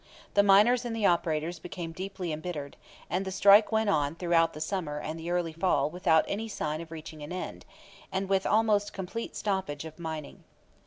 The miners and the operators became deeply embittered, and the strike went on throughout the summer and the early fall without any sign of reaching an end, and with almost complete stoppage of mining.